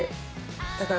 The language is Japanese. だから。